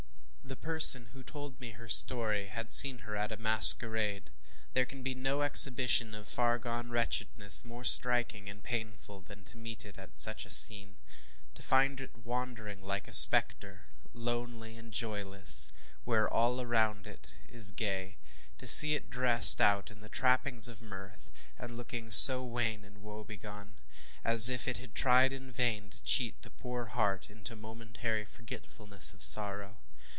ŌĆØ The person who told me her story had seen her at a masquerade. There can be no exhibition of far gone wretchedness more striking and painful than to meet it in such a scene. To find it wandering like a spectre, lonely and joyless, where all around is gay to see it dressed out in the trappings of mirth, and looking so wan and woe begone, as if it had tried in vain to cheat the poor heart into momentary forgetfulness of sorrow.